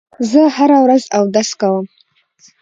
زه هره ورځ اودس کوم.